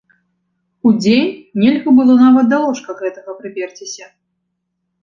Удзень нельга было нават да ложка гэтага прыперціся.